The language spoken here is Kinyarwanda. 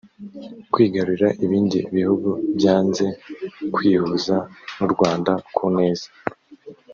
kwigarurira ibindi bihugu byanze kwihuza n u rwanda ku neza